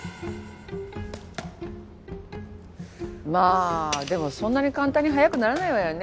まあでもそんなに簡単に速くならないわよね